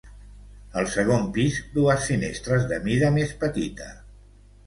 Al segon pis, dues finestres de mida més petita.